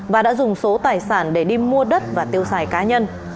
và đã dùng số tài sản để đi mua đất và tiêu xài cá nhân